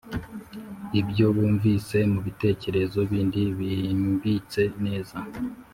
ibyo bumvise mu bitekerezo bindi bihimbitse neza,